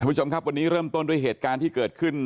ผู้ชมครับวันนี้เริ่มต้นด้วยเหตุการณ์ที่เกิดขึ้น